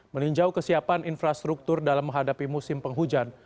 meninjau kesiapan infrastruktur dalam menghadapi musim penghujan